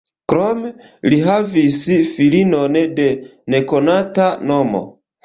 Krome li havis filinon de nekonata nomo.